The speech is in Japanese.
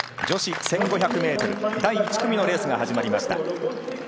女子１５００ｍ、第１組のレースが始まりました。